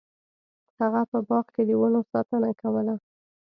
هغه په باغ کې د ونو ساتنه کوله.